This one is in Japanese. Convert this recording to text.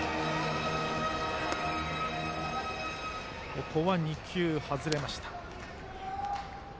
ここは２球、外れました。